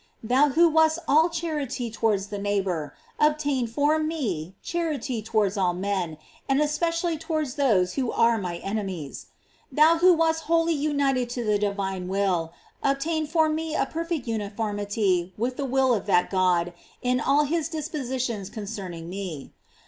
Thou who wast all charity towards the neighbor, obtain for me charity towards all men, and es pecially towards those who are my enemies. Thou who wast wholly united to the divine will, obtain for me a perfect uniformity with the will 304 GLORIES OP MART. of that God in all his dispositions concerning me.